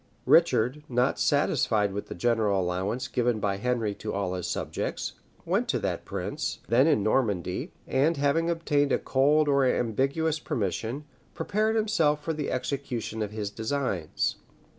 Richard, not satisfied with the general allowance given by Henry to all his subjects, went to that prince, then in Normandy, and having obtained a cold or ambiguous permission, prepared himself for the execution of his designs.